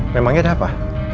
memangnya ada apa